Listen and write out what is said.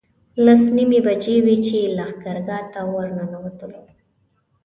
لس نیمې بجې وې چې لښکرګاه ته ورنوتلو.